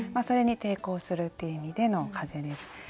それに抵抗するっていう意味での「風」です。